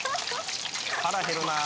腹減るなぁ。